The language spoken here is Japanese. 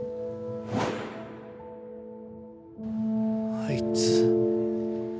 あいつ。